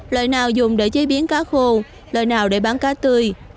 loại nào dùng để chế biến cá khô lợi nào để bán cá tươi